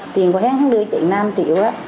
tiền của hắn đưa trị năm triệu